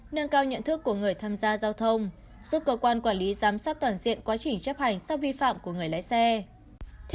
nâng cao nhận thức của người tham gia giao thông giúp cơ quan quản lý giám sát toàn diện quá trình chấp hành sau vi phạm của người lái xe